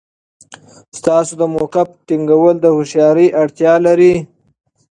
ستاسو د موقف ټینګول د هوښیارۍ اړتیا لري.